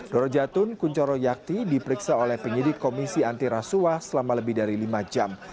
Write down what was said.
doro jatun kunchoro yakti diperiksa oleh penyidik komisi antirasuah selama lebih dari lima jam